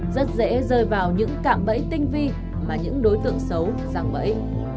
rất dễ rơi vào những cạm bẫy tinh vi mà những đối tượng xấu răng bẫy